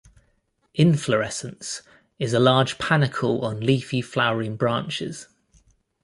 Inflorescence is a large panicle on leafy flowering branches.